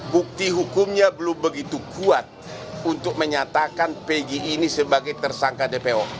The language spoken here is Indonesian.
bukti hukumnya belum begitu kuat untuk menyatakan pg ini sebagai tersangka dpo